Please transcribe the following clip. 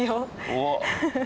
おっ。